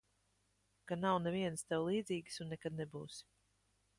Ka nav nevienas tev līdzīgas un nekad nebūs.